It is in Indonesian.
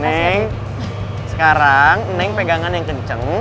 neng sekarang neng pegangan yang kenceng